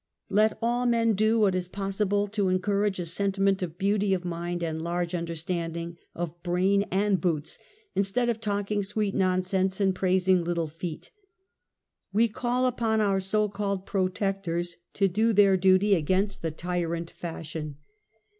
Let all men do what is possible to encourage a sentiment of beauty of mind and large understand ing of brain and boots, instead of talking sweet nonsense and praising little feet. We call upon our so called "protectors" to do their duty against the tyrant fashion.